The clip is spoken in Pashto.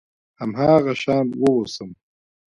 هماغه شان واوسم .